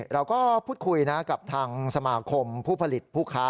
เราก็พูดคุยนะกับทางสมาคมผู้ผลิตผู้ค้า